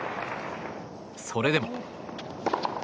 それでも。